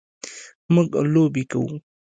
موږ لوبې کوو.